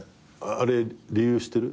あれ理由知ってる？